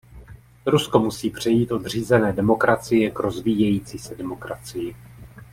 Rusko musí přejít od řízené demokracie k rozvíjející se demokracii.